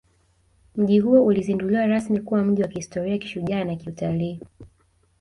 Mji huo ulizinduliwa rasmi kuwa mji wa kihistoria kishujaa na kiutalii